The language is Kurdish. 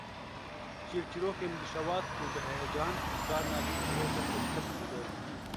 Çîrçîrokên bi şewat û bi heyecan, carna jî çîrokên bi tirs digot